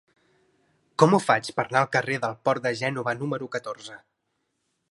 Com ho faig per anar al carrer del Port de Gènova número catorze?